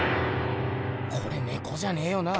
これねこじゃねえよな？